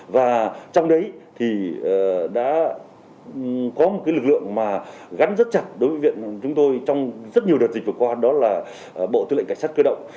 và trong đấy thì đã có một lực lượng mà gắn rất chặt đối với viện chúng tôi trong rất nhiều đợt dịch vừa qua đó là bộ tư lệnh cảnh sát cơ động